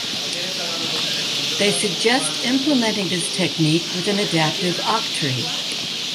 They suggest implementing this technique with an adaptive octree.